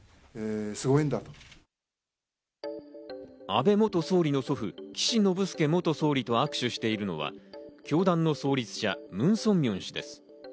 安倍元総理の祖父・岸信介元総理と握手しているのは教団の創立者ムン・ソンミョン氏です。